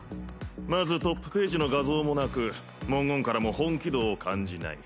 まずトップページの画像もなく文言からも本気度を感じない。